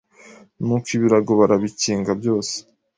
Nuko ibirago barabikinga byose